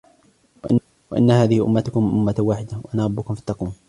وَإِنَّ هَذِهِ أُمَّتُكُمْ أُمَّةً وَاحِدَةً وَأَنَا رَبُّكُمْ فَاتَّقُونِ